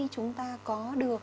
chúng ta có được